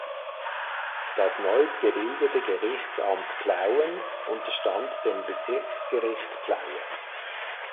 Das neu gebildete Gerichtsamt Plauen unterstand dem Bezirksgericht Plauen.